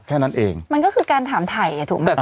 แค่นั้นเองมันก็คือการถามไถ่อะถูกไหมแบบอ้าว